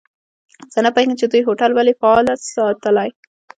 زه نه پوهیږم چي دوی هوټل ولي فعال ساتلی.